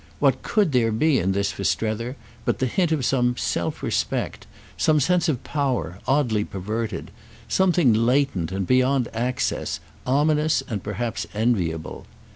What could there be in this for Strether but the hint of some self respect, some sense of power, oddly perverted; something latent and beyond access, ominous and perhaps enviable?